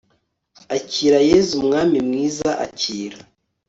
akira yezu mwami mwiza; akira